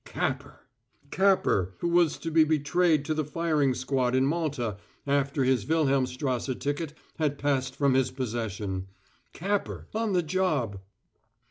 Capper! Capper, who was to be betrayed to the firing squad in Malta, after his Wilhelmstrasse ticket had passed from his possession. Capper on the job!